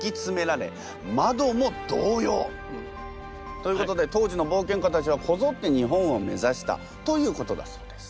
ということで当時の冒険家たちはこぞって日本を目指したということだそうです。